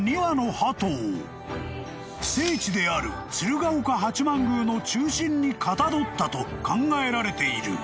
［聖地である鶴岡八幡宮の中心にかたどったと考えられている。